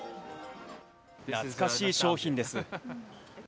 懐かしい商品です。